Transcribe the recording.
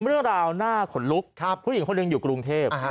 เรื่องราวน่าขนลุกผู้หญิงคนหนึ่งอยู่กรุงเทพ